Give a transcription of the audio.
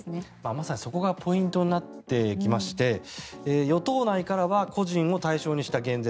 まさにそこがポイントになってきまして与党内からは個人を対象にした減税。